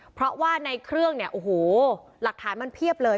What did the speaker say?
เพราะว่าในเครื่องเนี่ยโอ้โหหลักฐานมันเพียบเลย